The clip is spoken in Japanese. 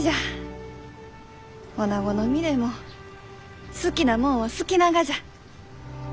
おなごの身でも好きなもんは好きながじゃ。